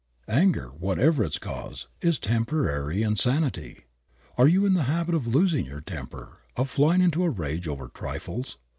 Anger, whatever its cause, is temporary insanity. Are you in the habit of losing your temper, of flying into a rage over trifles?